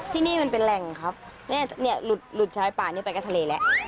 ที่นี่เป็นแรงครับหลุดชายป่านี่ไปกับทะเลแล้ว